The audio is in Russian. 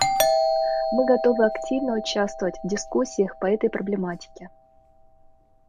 Мы готовы активно участвовать в дискуссиях по этой проблематике.